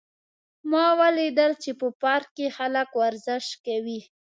ما ولیدل چې په پارک کې خلک ورزش کوي